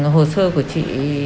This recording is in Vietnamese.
hồ sơ của chị